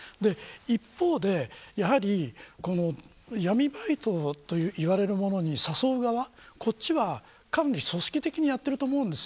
一方で闇バイトといわれるものに誘う側こちらはかなり組織的にやっていると思います。